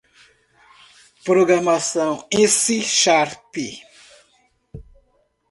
Programação em C Sharp.